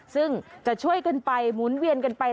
ซึ่งจะช่วยกันไปหมุนเวียนกันไป